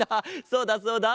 そうだそうだ。